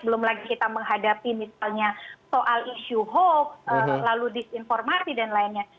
belum lagi kita menghadapi misalnya soal isu hoax lalu disinformasi dan lainnya